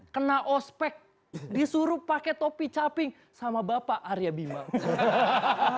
kena ospek disuruh pakai topi caping sama bapak arya bima